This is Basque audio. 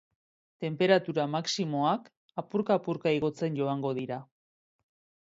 Tenperatura maximoak apurka apurka igotzen joango dira.